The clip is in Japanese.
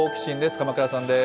鎌倉さんです。